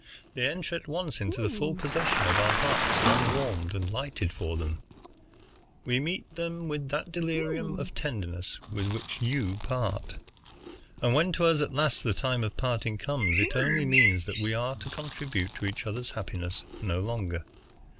They enter at once into the full possession of hearts long warmed and lighted for them. We meet with that delirium of tenderness with which you part. And when to us at last the time of parting comes, it only means that we are to contribute to each other's happiness no longer.